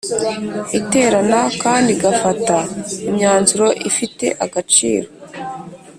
Iterana kandi igafata imyanzuro ifite agaciro